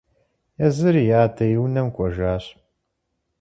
Езыр и адэ и унэм кӀуэжащ.